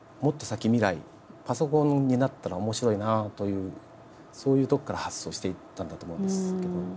パソコンになったら面白いなというそういうとこから発想していったんだと思うんですけど。